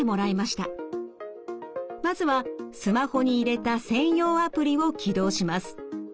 まずはスマホに入れた専用アプリを起動します。